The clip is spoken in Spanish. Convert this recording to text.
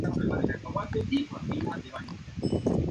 Finalmente fue enviado a vivir a Anatolia.